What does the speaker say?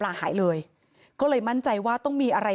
หมาก็เห่าตลอดคืนเลยเหมือนมีผีจริง